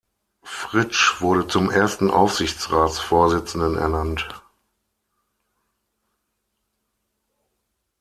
Fritsch wurde zum ersten Aufsichtsratsvorsitzenden ernannt.